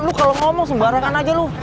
lu kalau ngomong sembarangan aja lu